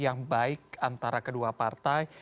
yang baik antara kedua partai